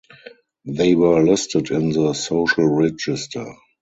They were listed in the Social Register.